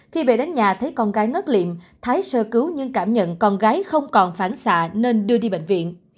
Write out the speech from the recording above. khi về đến nhà thấy con gái ngất liệm thái sơ cứu nhưng cảm nhận con gái không còn phản xạ nên đưa đi bệnh viện